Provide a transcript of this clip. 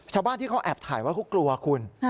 ชาวบ้านที่เขาแอบถ่ายว่าเขากลัวคุณ